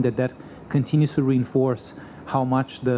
saya pikir itu terus mengembangkan